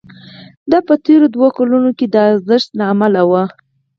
دا په تېرو دوو کلونو کې د ارزښت له امله وو